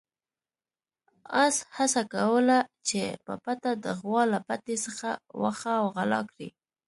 اس هڅه کوله چې په پټه د غوا له پټي څخه واښه وغلا کړي.